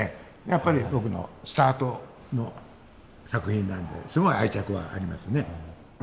やっぱり僕のスタートの作品なんですごい愛着はありますね。